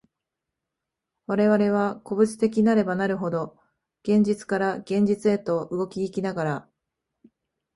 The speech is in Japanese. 我々は個物的なればなるほど、現実から現実へと動き行きながら、